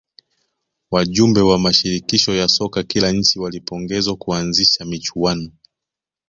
wajumbe wa mashirikisho ya soka kila nchi walipongezwa kuanzisha michuano